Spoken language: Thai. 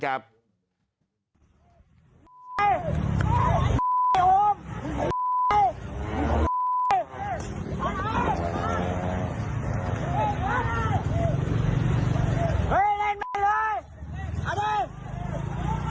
ไอ้โอ้มมึงไม่อยากยิงพวกมึงนะ